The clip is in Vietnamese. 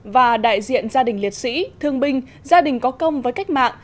và đại diện gia đình liệt sĩ thương binh gia đình có công với cách mạng